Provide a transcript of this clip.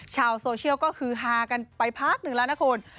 ชาวโซเชียลก็คือฮากันไปพักหนึ่งแล้วนะคุณ